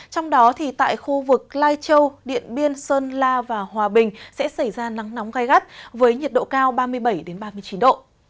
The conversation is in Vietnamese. trong đó tại khu vực lai châu điện biên sơn la và hòa bình sẽ xảy ra nắng nóng gai gắt với nhiệt độ cao ba mươi bảy ba mươi chín độ